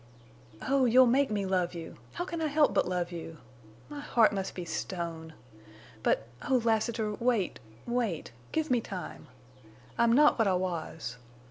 "Oh, you'll make me love you! How can I help but love you? My heart must be stone. But—oh, Lassiter, wait, wait! Give me time. I'm not what I was.